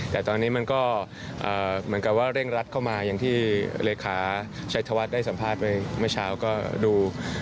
แต่ตอนนี้มันก็เหมือนกับว่าเร่งรัดเข้ามาอย่างที่เลขาชัยธวัฒน์ได้สัมภาษณ์ไว้เมื่อเช้าก็ดู